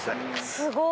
すごい。